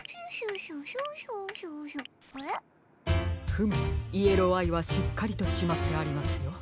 フムイエローアイはしっかりとしまってありますよ。